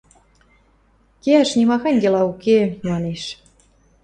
— Кеӓш нимахань дела уке, манеш.